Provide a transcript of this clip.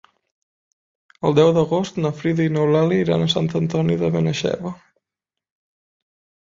El deu d'agost na Frida i n'Eulàlia iran a Sant Antoni de Benaixeve.